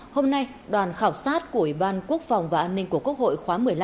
hôm nay đoàn khảo sát của ủy ban quốc phòng và an ninh của quốc hội khóa một mươi năm